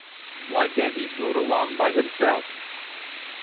"Why can't he float along by himself?"